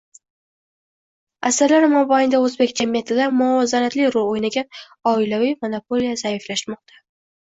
Asrlar mobaynida o'zbek jamiyatida muvozanatli rol o'ynagan oilaviy monopoliya zaiflashmoqda